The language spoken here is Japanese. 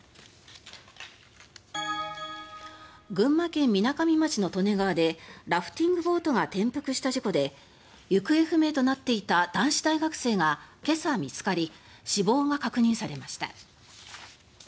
群馬県みなかみ町の利根川でラフティングボートが転覆した事故で行方不明となっていた男子大学生が今朝見つかり死亡が確認されました。